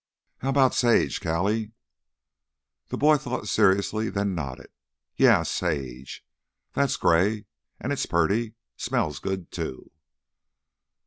"How about Sage, Callie?" The boy thought seriously and then nodded. "Yeah—Sage. That's gray an' it's purty, smells good, too."